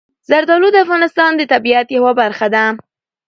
زردالو د افغانستان د طبیعت یوه برخه ده.